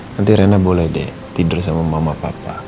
nanti rena boleh deh tidur sama mama papa